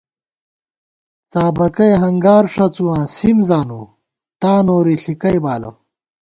څابَکئےہنگار ݭڅُواں سِم زانُو تا نوری ݪِکئےبالہ